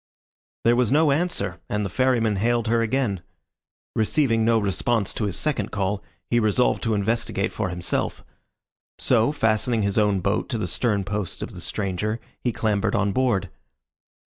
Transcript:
There was no answer, and the Ferryman hailed her again. Receiving no response to his second call, he resolved to investigate for himself; so, fastening his own boat to the stern post of the stranger, he clambered on board.